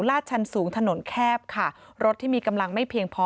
ชันสูงถนนแคบค่ะรถที่มีกำลังไม่เพียงพอ